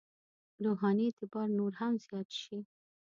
روحاني اعتبار نور هم زیات شي.